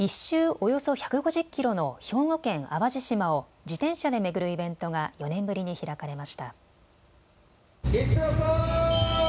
およそ１５０キロの兵庫県淡路島を自転車で巡るイベントが４年ぶりに開かれました。